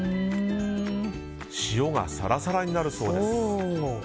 塩がサラサラになるそうです。